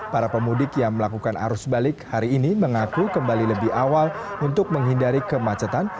para pemudik yang melakukan arus balik hari ini mengaku kembali lebih awal untuk menghindari kemacetan